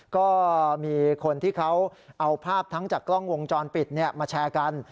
ก็มีคนที่เขาเอาภาพทั้งจากกล้องวงจรปิดมาแชร์กัน